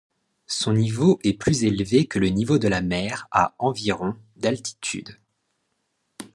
Son niveau est plus élevé que le niveau de la mer à environ d'altitude.